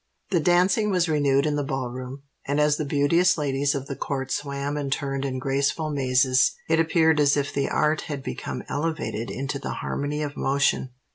The dancing was renewed in the Ball Room: and as the beauteous ladies of the court swam and turned in graceful mazes, it appeared as if the art had become elevated into the harmony of motion.